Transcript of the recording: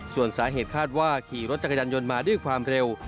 ส่วนสาเหตุคาดว่าขี่รถจักรยานยนต์มาด้วยความเร็ว